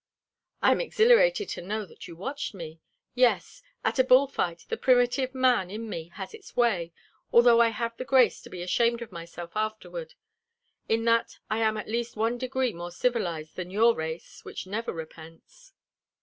"I am exhilarated to know that you watched me. Yes, at a bull fight the primitive man in me has its way, although I have the grace to be ashamed of myself afterward. In that I am at least one degree more civilized than your race, which never repents."